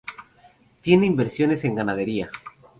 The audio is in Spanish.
Tiene inversiones en ganadería.